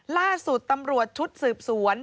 ล่าสุดตำรวจชุดสืบสวน